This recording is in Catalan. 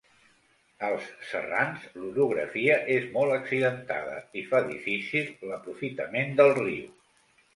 Als Serrans, l'orografia és molt accidentada i fa difícil l'aprofitament del riu.